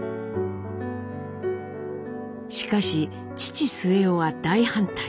しかし父末男は大反対。